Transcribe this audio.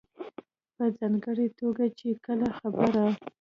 په ځانګړې توګه چې کله خبره